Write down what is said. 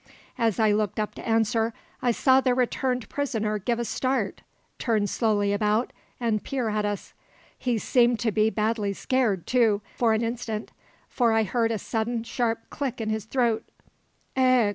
As I looked up to answer I saw the returned prisoner give a start, turn slowly about, and peer at us. He seemed to be badly scared, too, for an instant; for I heard a sudden, sharp click in his throat "E e eh?